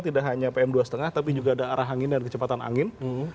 tidak hanya pm dua lima tapi juga ada arah angin dan kecepatan angin